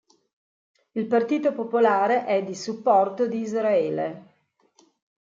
Il Partito popolare è di supporto di Israele.